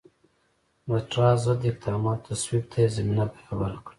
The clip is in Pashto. د ټراست ضد اقداماتو تصویب ته یې زمینه برابره کړه.